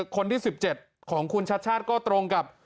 คนที่๑๗ของคุณชัดชาติก็ตรงกับ